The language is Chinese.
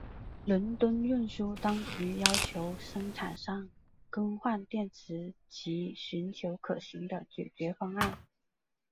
伦敦运输当局要求生产商更换电池及寻求可行的解决方案。